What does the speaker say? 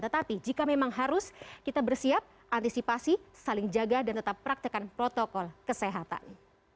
tetapi jika memang harus kita bersiap antisipasi saling jaga dan tetap praktekan protokol kesehatan